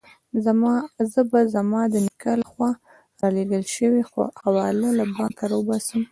زه به زما د نیکه له خوا رالېږل شوې حواله له بانکه راوباسم.